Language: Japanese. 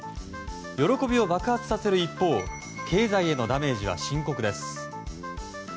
喜びを爆発させる一方経済へのダメージは深刻です。